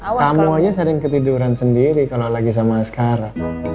kamu aja sering ketiduran sendiri kalo lagi sama askara